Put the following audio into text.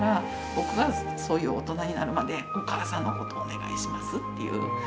僕がそういう大人になるまでお母さんのことをお願いしますっていう。